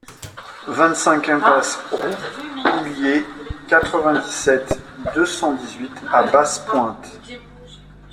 vingt-cinq impasse Roucouyer, quatre-vingt-dix-sept, deux cent dix-huit à Basse-Pointe